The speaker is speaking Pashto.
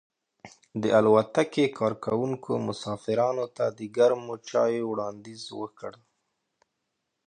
د الوتکې کارکونکو مسافرانو ته د ګرمو چایو وړاندیز وکړ.